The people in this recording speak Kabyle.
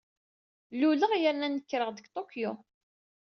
Luleɣ yerna nekreɣ-d deg Tokyo.